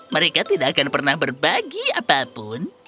mereka tidak akan pernah berbagi apapun